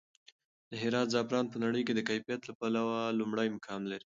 د هرات زعفران په نړۍ کې د کیفیت له پلوه لومړی مقام لري.